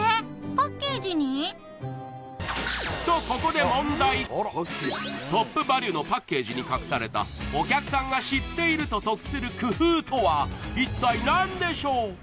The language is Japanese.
ここで問題トップバリュのパッケージに隠されたお客さんが知っていると得する工夫とは一体何でしょう